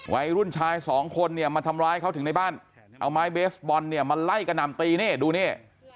วัยรุ่นชายสองคนเนี่ยมาทำร้ายเขาถึงในบ้านเอาไม้เบสบอลเนี่ยมาไล่กระหน่ำตีนี่ดูนี่